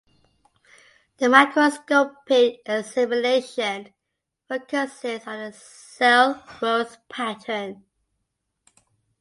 The microscopic examination focuses on the cell growth pattern.